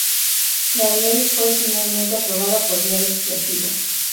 La Ley fue finalmente aprobada por vía legislativa.